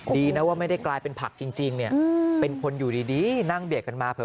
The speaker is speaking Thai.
ดีนะว่าไม่ได้กลายเป็นผักจริงเนี่ยเป็นคนอยู่ดีนั่งเบียดกันมาเผล